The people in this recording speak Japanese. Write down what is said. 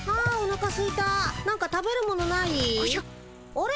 あれ？